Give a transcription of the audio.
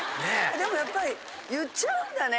でもやっぱり言っちゃうんだね。